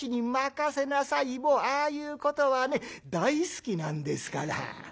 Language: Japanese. ああいうことはね大好きなんですから」。